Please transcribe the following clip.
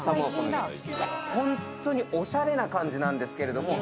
ほんとにおしゃれな感じなんですけれども。